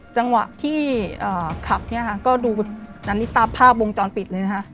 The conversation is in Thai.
จังหวะที่ขับก็ดูอันนี้ตามภาพวงจรปิดเลย